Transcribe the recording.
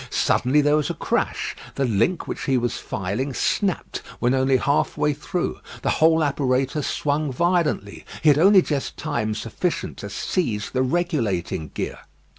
Suddenly there was a crash. The link which he was filing snapped when only half cut through: the whole apparatus swung violently. He had only just time sufficient to seize the regulating gear.